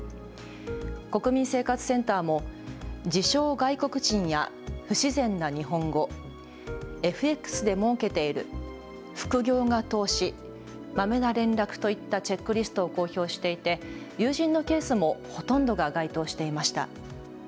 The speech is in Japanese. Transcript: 国民生活センターも自称外国人や不自然な日本語、ＦＸでもうけている、副業が投資、まめな連絡といったチェックリストを公表していて友人のケースもほとんどが該当していました。